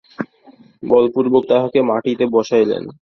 বলপূর্বক তাঁহাকে মাটিতে বসাইলেন।